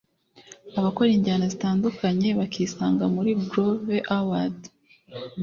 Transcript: abakora injyana zitandukanye bakisanga muri Groove Awards